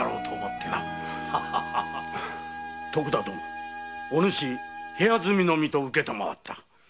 徳田殿は部屋住みの身と承った。